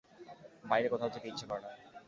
বাইরে কোথাও যেতে ইচ্ছা করে না।